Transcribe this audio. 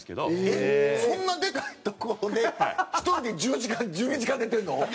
えっそんなでかい所で１人で１０時間１２時間寝てるの？